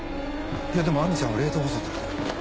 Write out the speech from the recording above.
いやでも亜美ちゃんは冷凍保存されてる。